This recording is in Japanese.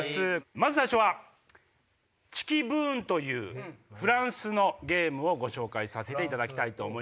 まず最初はチキブーンというフランスのゲームをご紹介させていただきます。